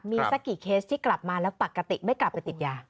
มีสักกี่เคสที่กลับมาแล้วปกติไม่กลับไปติดยา